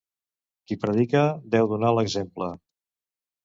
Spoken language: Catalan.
Qui predica, deu donar l'exemple.